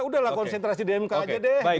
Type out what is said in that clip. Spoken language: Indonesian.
udah lah konsentrasi di mk aja deh